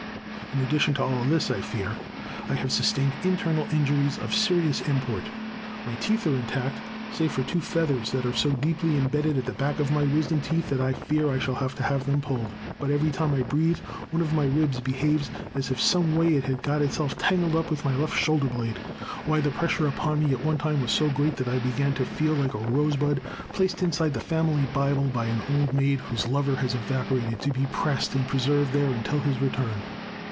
In addition to all this I fear I have sustained internal injuries of serious import. My teeth are intact, save for two feathers that are so deeply imbedded at the back of my wisdom teeth that I fear I shall have to have them pulled, but every time I breathe one of my ribs behaves as if in some way it had got itself tangled up with my left shoulder blade. Why, the pressure upon me at one time was so great that I began to feel like a rosebud placed inside the family Bible by an old maid whose lover has evaporated, to be pressed and preserved there until his return.